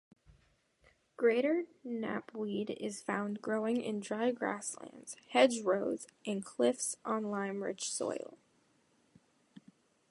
Greater knapweed is found growing in dry grasslands, hedgerows and cliffs on lime-rich soil.